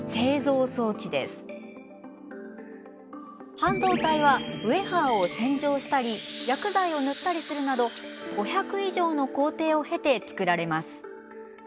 半導体はウエハーを洗浄したり薬剤を塗ったりするなど５００以上の工程を経てつくられます。